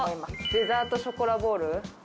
デザートショコラボール。